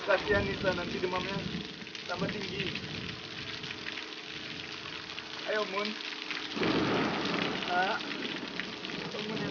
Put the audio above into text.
kasihan nisa nanti demamnya akan lebih tinggi